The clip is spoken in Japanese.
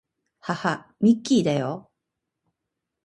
はは、ミッキーだよ